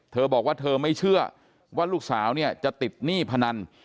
เธอบอกว่าเธอไม่เชื่อว่าลูกสาวเนี่ยจะติดหนี้พนัน